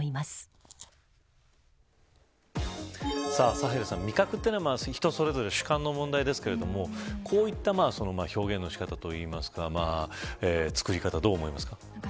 サヘルさん味覚というのは人それぞれ主観の問題ですけれどもこういった表現の仕方といいますか作り方は、どう思いますか。